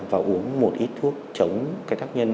và uống một ít thuốc chống cái tác nhân